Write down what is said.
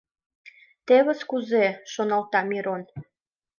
«Тевыс кузе-э... — шоналта Мирон.